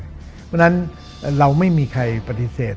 เพราะฉะนั้นเราไม่มีใครปฏิเสธ